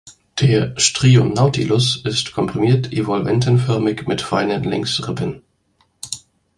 Der „Strionautilus" ist komprimiert, evolventenförmig, mit feinen Längsrippen.